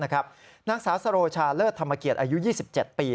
นางสาวสโรชาเลิศธรรมเกียรติอายุ๒๗ปี